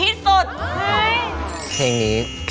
รู้จักไหม